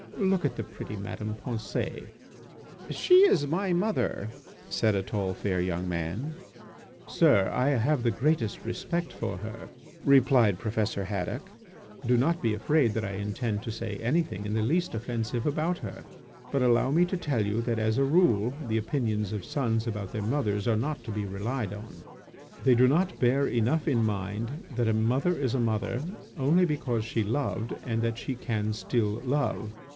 Look at the pretty Madame Pensée. ..." "She is my mother," said a tall, fair young man. "Sir, I have the greatest respect for her," replied Professor Haddock; "do not be afraid that I intend to say anything in the least offensive about her. But allow me to tell you that, as a rule, the opinions of sons about their mothers are not to be relied on. They do not bear enough in mind that a mother is a mother only because she loved, and that she can still love.